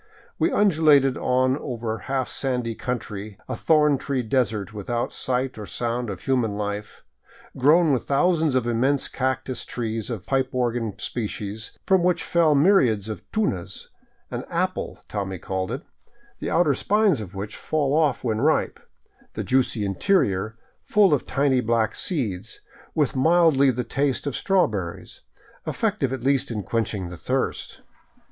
We undulated on over half sandy country, a thorn tree desert without sight or sound of human life, grown with thousands of immense cac tus trees of the pipe organ species from which fell myriads of tunas, an " apple " Tommy called it, the outer spines of which fall off when ripe, the juicy interior, full of tiny black seeds, with mildly the taste of strawberries, effective at least in quenching the thirst.